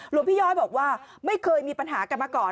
หลวงพี่ย้อยบอกว่าไม่เคยมีปัญหากันมาก่อน